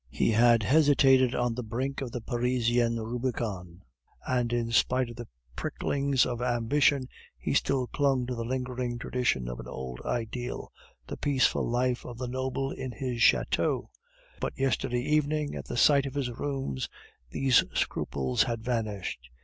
He had hesitated on the brink of the Parisian Rubicon, and in spite of the prickings of ambition, he still clung to a lingering tradition of an old ideal the peaceful life of the noble in his chateau. But yesterday evening, at the sight of his rooms, those scruples had vanished.